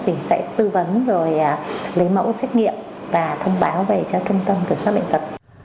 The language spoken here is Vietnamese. thì sẽ tư vấn rồi lấy mẫu xét nghiệm và thông báo về cho trung tâm kiểm soát bệnh tật